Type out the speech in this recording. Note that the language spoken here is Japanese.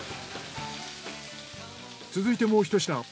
続いてもうひと品。